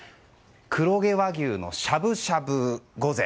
黒毛和牛のしゃぶしゃぶ御膳。